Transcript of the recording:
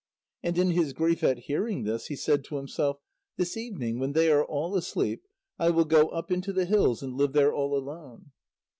And in his grief at hearing this, he said to himself: "This evening, when they are all asleep, I will go up into the hills and live there all alone."